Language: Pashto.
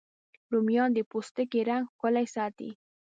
رومیان د پوستکي رنګ ښکلی ساتي